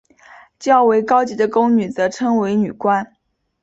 较为高级的宫女则称为女官。